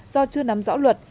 do chưa nắm rõ luật